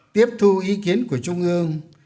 tiếp thu ý kiến của trung ương